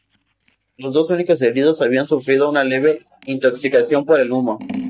Los dos únicos heridos habían sufrido una leve intoxicación por el humo.